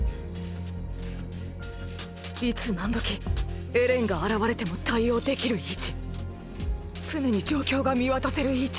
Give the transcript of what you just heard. いつ何時エレンが現れても対応できる位置常に状況が見渡せる位置。